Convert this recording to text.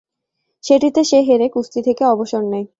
সেটিতে সে হেরে কুস্তি থেকে অবসর নেয়।